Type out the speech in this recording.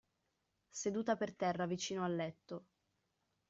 Seduta per terra, vicino al letto.